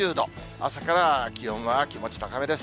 朝から気温は気持ち高めです。